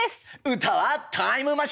歌はタイムマシン！